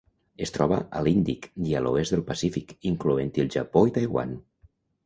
Es troba a l'Índic i a l'oest del Pacífic, incloent-hi el Japó i Taiwan.